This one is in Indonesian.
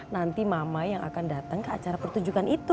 nanti mama yang akan datang ke acara pertunjukan itu